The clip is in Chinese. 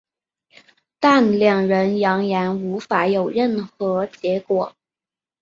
但两人仍然无法有任何结果。